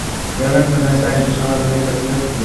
তোর মৃত্যুতে না নেচে আমি মরব না।